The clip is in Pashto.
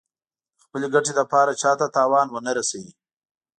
د خپلې ګټې لپاره چا ته تاوان ونه رسوي.